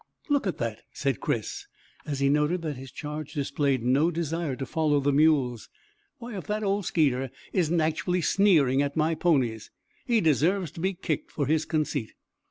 "Look at that," said Chris, as he noted that his charge displayed no desire to follow the mules. "Why, if that old Skeeter isn't actually sneering at my ponies! He deserves to be kicked for his conceit."